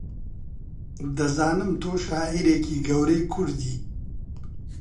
دەزانم تۆ شاعیرێکی گەورەی کوردی